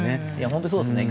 本当にそうですね。